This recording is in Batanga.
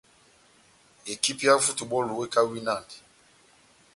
Ekipi yawu yá futubɔlu ekawinandi.